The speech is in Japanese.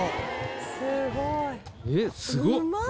すごい！